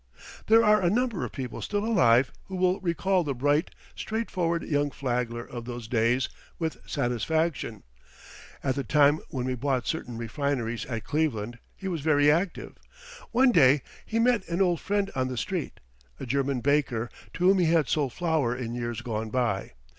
There are a number of people still alive who will recall the bright, straightforward young Flagler of those days with satisfaction. At the time when we bought certain refineries at Cleveland he was very active. One day he met an old friend on the street, a German baker, to whom he had sold flour in years gone by.